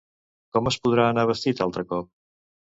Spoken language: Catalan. Com es podrà anar vestit altre cop?